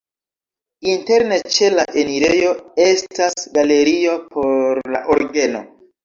Interne ĉe la enirejo estas galerio por la orgeno.